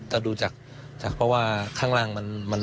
แต่ดูจากเพราะว่าข้างล่างมันพังไปหมดแล้วนะครับ